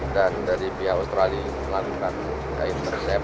dan dari pihak australia melakukan kain resep